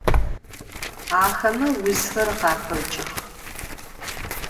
Axeme vuzxer khaxeç'ıx.